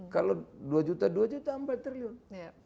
kalau rp dua rp dua rp empat